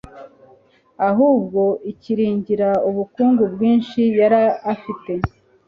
ahubwo akiringira ubukungu bwinshi yari afite